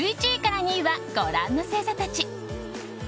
１１位から２位はご覧の星座たち。